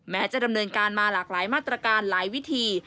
แม้จะดำเนินการมาหลากหลายมาตรการหลายวิธี